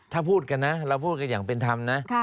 ถ้าพูดกันนะเราพูดกันอย่างเป็นธรรมนะ